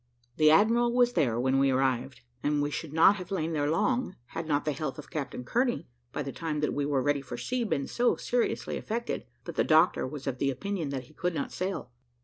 The admiral was there when we arrived, and we should not have lain there long, had not the health of Captain Kearney, by the time that we were ready for sea, been so seriously affected, that the doctor was of opinion that he could not sail.